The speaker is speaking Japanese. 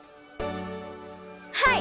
はい！